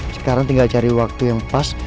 sekarang tinggal cari waktu yang pas